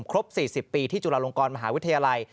ครบ๔๐ปีที่จุฬาลงกรมหาวิทยาลัย